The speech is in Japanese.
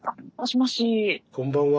こんばんは。